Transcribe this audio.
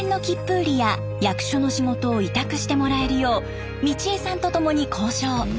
売りや役所の仕事を委託してもらえるよう美千枝さんとともに交渉。